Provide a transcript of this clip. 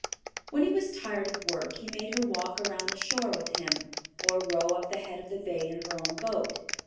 When he was tired of work he made her walk around the shore with him, or row up the head of the bay in her own boat.